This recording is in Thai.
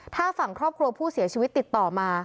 ถ้าฝั่งครอบครัวผู้เสียชีวิตติดต่อมา